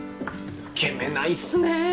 抜け目ないっすね。